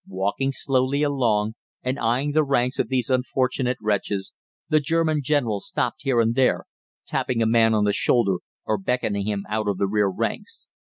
Walking slowly along and eyeing the ranks of these unfortunate wretches, the German General stopped here and there, tapping a man on the shoulder or beckoning him out of the rear ranks.